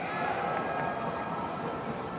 สวัสดีทุกคน